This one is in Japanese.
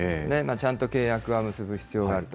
ちゃんと契約は結ぶ必要があると。